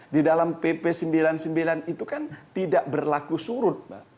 di dalam pp sembilan puluh sembilan itu kan tidak berlaku surut